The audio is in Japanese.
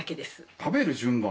食べる順番？